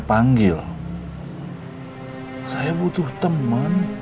kang us mau kemana